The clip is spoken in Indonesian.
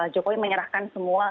jokowi menyerahkan semua